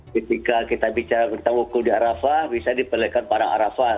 ketika kita bicara tentang wukur di arafah bisa diperlelehkan pada arafah